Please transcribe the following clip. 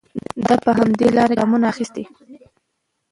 دی په همدې لاره کې ګامونه اخلي.